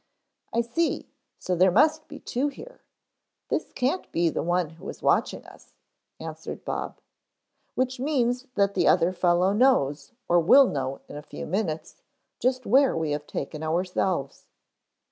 "I see, so there must be two here. This can't be the one who was watching us," answered Bob. "Which means that the other fellow knows, or will know in a few minutes just where we have taken ourselves.